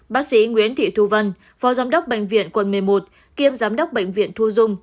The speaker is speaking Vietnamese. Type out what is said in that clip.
bác sĩ nguyễn thị thu vân phó giám đốc bệnh viện quận một mươi một kiêm giám đốc bệnh viện thu dung